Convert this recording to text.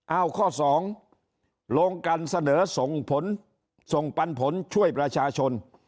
เอาข้อ๒โรงการเสนอส่งผลส่งปันผลช่วยประชาชน